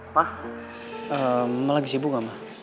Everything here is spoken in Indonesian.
mah ma lagi sibuk gak mah